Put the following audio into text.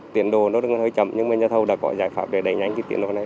tiền đồ nó đơn gần hơi chậm nhưng mà nhà thâu đã có giải pháp để đẩy nhanh